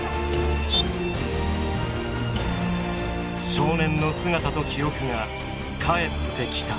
少年の姿と記憶が返ってきた。